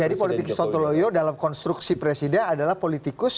jadi politik sontoloyo dalam konstruksi presiden adalah politikus